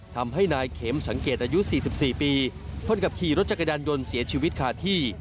ทำให้นายเข็มสังเกตอายุ๔๔ปีคนขับขี่รถจักรยานยนต์เสียชีวิตขาดที่